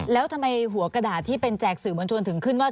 แล้วทำไมหัวกระดาษที่เป็นแจกสื่อมวลชนถึงขึ้นว่า